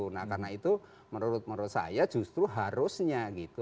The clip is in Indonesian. nah karena itu menurut saya justru harusnya gitu